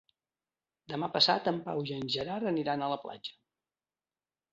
Demà passat en Pau i en Gerard aniran a la platja.